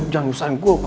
jangan nusahin gue kok